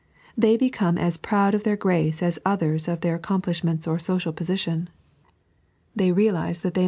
They become aa prond of their grace as others of their accom plishmenta <n: social position. They realize that they must 3.